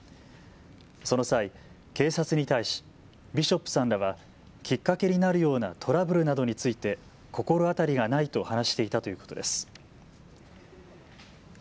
その際、警察に対しビショップさんらはきっかけになるようなトラブルなどについて心当たりがないと話していたということです。